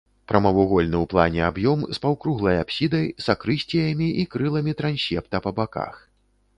Прамавугольны ў плане аб'ём з паўкруглай апсідай, сакрысціямі і крыламі трансепта па баках.